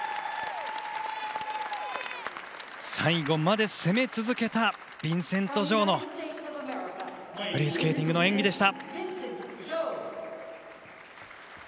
最後まで攻め続けたヴィンセント・ジョウのフリースケーティングの演技でした。